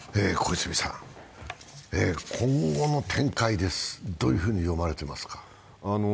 今後の展開はどういうふうに読まれていますか？